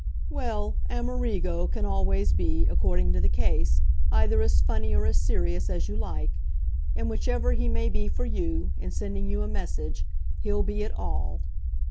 "Well, Amerigo can always be, according to the case, either as funny or as serious as you like; and whichever he may be for you, in sending you a message, he'll be it ALL."